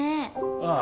ああ。